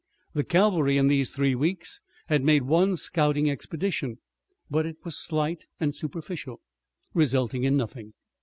The cavalry in these three weeks had made one scouting expedition, but it was slight and superficial, resulting in nothing.